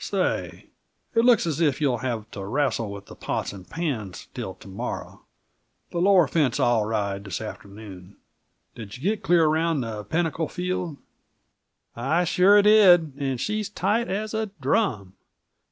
"Say, it looks as if you'll have to wrastle with the pots and pans till to morrow. The lower fence I'll ride, this afternoon; did you get clear around the Pinnacle field?" "I sure did and she's tight as a drum.